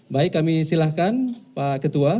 baik kami silahkan pak ketua